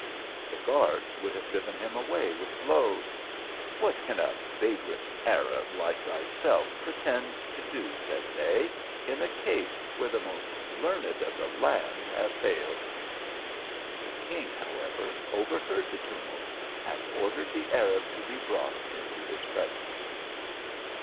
The guards would have driven him away with blows: " What can a vagrant Arab like thyself pretend to do," said they, "in a case where the most learned of the land have failed ?" The king, however, overheard the tumult, and ordered the Arab to be brought into his presence.